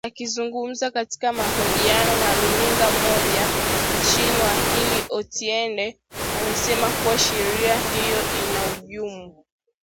Akizungumza katika mahojiano na runinga moja nchini Wakili Otiende amesema kuwa sheria hiyo inahujumu